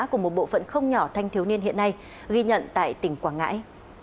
của một bộ phận không nhỏ thanh thiếu niên hiện nay ghi nhận tại tỉnh quảng ngãi